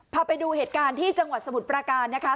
พาไปดูเหตุการณ์ที่จังหวัดสมุทรประการนะคะ